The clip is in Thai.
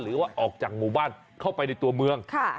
หรือว่าออกจากหมู่บ้านเข้าไปในตัวเมือง